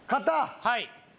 はい。